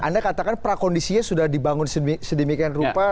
anda katakan prakondisinya sudah dibangun sedemikian rupa